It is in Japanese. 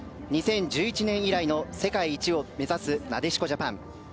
２０１１年以来の世界一を目指すなでしこジャパン。